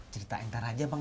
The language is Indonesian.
cerita entar aja bang